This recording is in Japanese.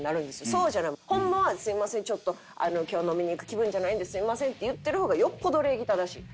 そうじゃなくホンマは「すいませんちょっと今日飲みに行く気分じゃないんですいません」って言ってる方がよっぽど礼儀正しい。